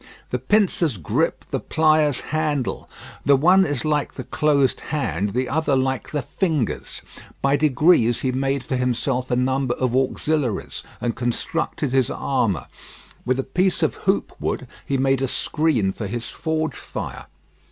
The pincers gripe, the pliers handle; the one is like the closed hand, the other like the fingers. By degrees he made for himself a number of auxiliaries, and constructed his armour. With a piece of hoop wood he made a screen for his forge fire.